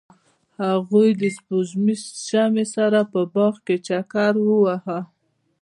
هغوی د سپوږمیز شمیم سره په باغ کې چکر وواهه.